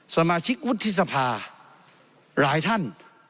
สมาชิกวุฒิสภาหลายท่าน